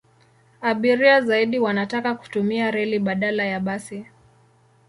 Abiria zaidi wanataka kutumia reli badala ya basi.